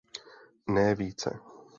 Ne více.